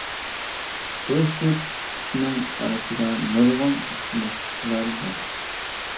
بۇ ئىككى تىپنىڭ ئارىسىدا نۇرغۇن ئوخشىماسلىقلار بار.